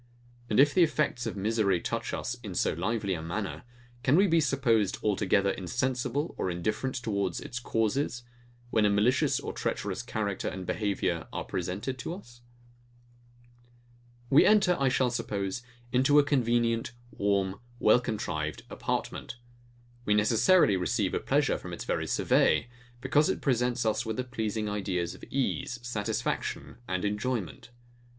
And if the effects of misery touch us in so lively a manner; can we be supposed altogether insensible or indifferent towards its causes; when a malicious or treacherous character and behaviour are presented to us? We enter, I shall suppose, into a convenient, warm, well contrived apartment: We necessarily receive a pleasure from its very survey; because it presents us with the pleasing ideas of ease, satisfaction, and enjoyment.